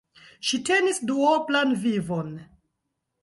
Ŝi tenis duoblan vivon.